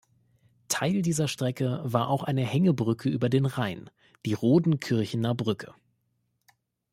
Teil dieser Strecke war auch eine Hängebrücke über den Rhein, die Rodenkirchener Brücke.